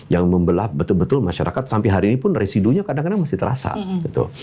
yang membelah betul betul masyarakat sampai hari ini pun residunya kadang kadang masih terasa gitu